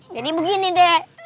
jadi begini dek